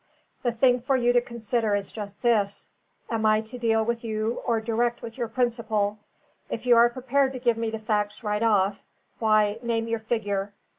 The thing for you to consider is just this: am I to deal with you or direct with your principal? If you are prepared to give me the facts right off, why, name your figure.